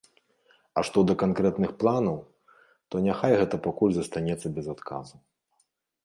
А што да канкрэтных планаў, то няхай гэта пакуль застанецца без адказу.